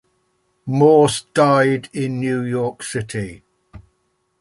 Morse died in New York City.